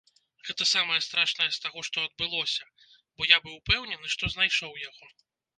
Гэта самае страшнае з таго, што адбылося, бо я быў упэўнены, што знайшоў яго.